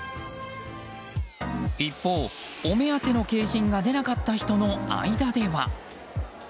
一方、お目当ての景品が出なかった人の間では。